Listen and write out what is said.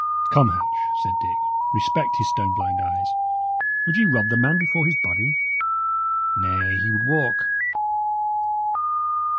"Come, Hatch," said Dick, "respect his stone blind eyes. Would ye rob the man before his body? Nay, he would walk!"